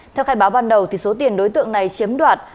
theo khai báo ban đầu số tiền đối tượng này chiếm đoạt